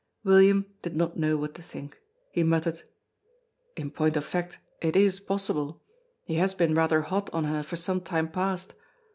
William did not know what to think. He muttered: "In point of fact, it is possible. He has been rather hot on her for some time past!